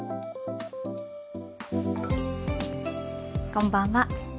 こんばんは。